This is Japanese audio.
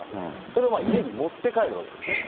それを家に持って帰るわけですね。